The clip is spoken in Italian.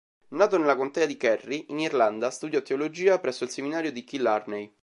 Nato nella Contea di Kerry, in Irlanda studiò Teologia presso il seminario di Killarney.